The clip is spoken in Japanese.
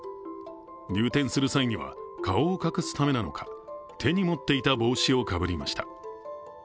入店する際には顔を隠すためなのに、手に持っていた帽子をかぶりました。